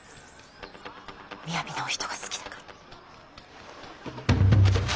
雅なお人が好きだから。